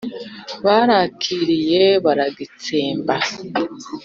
barakiriye baragitsembe